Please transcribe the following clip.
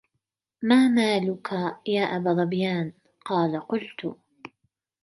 مَا مَالُك يَا أَبَا ظَبْيَانَ ؟ قَالَ قُلْت